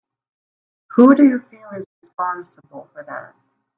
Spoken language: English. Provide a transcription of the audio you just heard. Who do you feel is responsible for that?